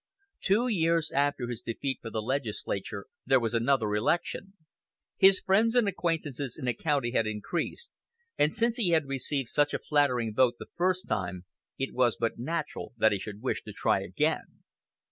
Two years after his defeat for the legislature there was another election. His friends and acquaintances in the county had increased, and, since he had received such a flattering vote the first time, it was but natural that he should wish to try again.